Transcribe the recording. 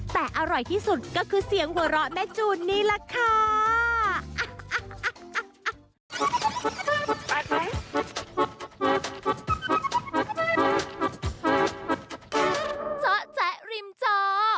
แต่อร่อยที่สุดก็คือเสียงหัวเราะแม่จูนนี่แหละค่ะ